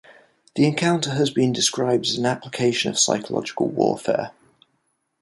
The encounter has been described as an application of psychological warfare.